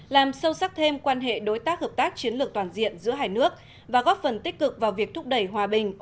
làm sâu sắc thêm quan hệ đối tác hợp tác chiến lược toàn diện giữa hai nước và góp phần tích cực vào việc thúc đẩy hòa bình